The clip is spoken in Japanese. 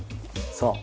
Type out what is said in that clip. そう。